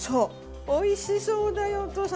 美味しそうだよお父さん！